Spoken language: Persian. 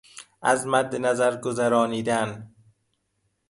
از مد نظر گذارانیدن